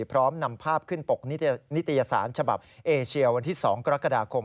พร้อมนำภาพขึ้นปกนิตยสารฉบับเอเชียวันที่๒กรกฎาคม